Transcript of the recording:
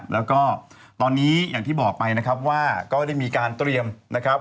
แล้วก็ตอนนี้อย่างที่บอกไปนะครับว่าก็ได้มีการเตรียมนะครับ